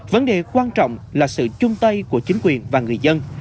vấn đề quan trọng là sự chung tay của chính quyền và người dân